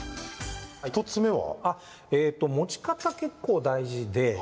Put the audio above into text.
１つ目は？